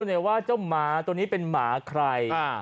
ว่าว่าเจ้าหมาตัวนี้เป็นหมาใครอ่า